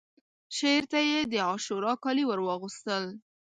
شعر ته یې د عاشورا کالي ورواغوستل